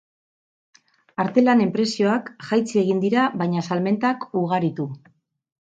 Artelanen prezioak jaitsi egin dira baina salmentak ugaritu.